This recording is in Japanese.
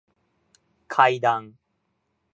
階段